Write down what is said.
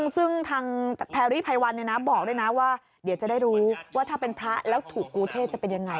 ซึ่งทางแพรรี่ไพวันบอกด้วยนะว่าเดี๋ยวจะได้รู้ว่าถ้าเป็นพระแล้วถูกกูเทศจะเป็นยังไง